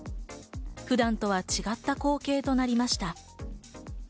普段とは違った光景になりました。